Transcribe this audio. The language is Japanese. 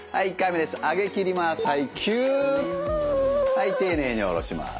はい丁寧に下ろします。